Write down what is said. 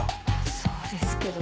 そうですけど。